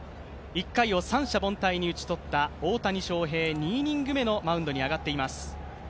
１回を三者凡退に打ち取った大谷翔平、２イニング目のマウンドに上がっています。